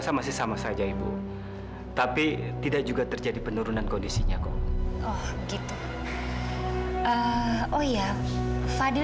sampai jumpa di video selanjutnya